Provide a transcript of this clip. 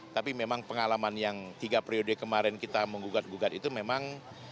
tapi memang pengalaman yang tiga periode kemarin kita menggugat gugat itu memang